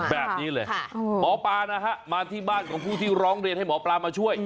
แบบนี้เลยหมอปลานะฮะมาที่บ้านของผู้ที่ร้องเรียนให้หมอปลามาช่วย